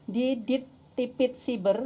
di dipit siber